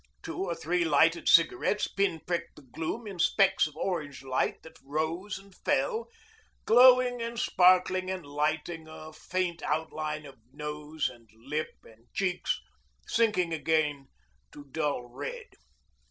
Two or three lighted cigarettes pin pricked the gloom in specks of orange light that rose and fell, glowing and sparkling and lighting a faint outline of nose and lip and cheeks, sinking again to dull red.